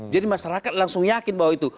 jadi masyarakat langsung yakin bahwa itu